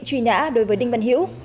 truy nã đối với đình văn hiễu